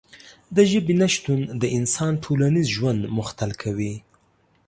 د ژبې نشتون د انسان ټولنیز ژوند مختل کوي.